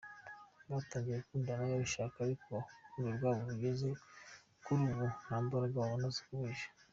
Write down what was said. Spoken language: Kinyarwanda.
Batangiye gukundana babihisha ariko aho urukundo rwabo rugeze kuri ubu ntambaraga babona zo kubihisha.